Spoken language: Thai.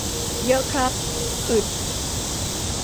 เยอะครับ อึด